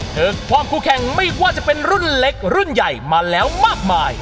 เธอคว่ำคู่แข่งไม่ว่าจะเป็นรุ่นเล็กรุ่นใหญ่มาแล้วมากมาย